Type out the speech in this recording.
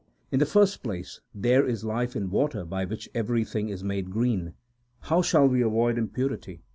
In the first place, there is life in water by which everything is made green. How shall we avoid impurity